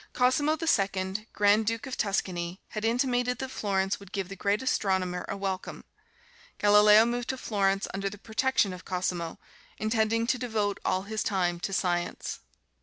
Cosimo the Second, Grand Duke of Tuscany, had intimated that Florence would give the great astronomer a welcome. Galileo moved to Florence under the protection of Cosimo, intending to devote all his time to Science.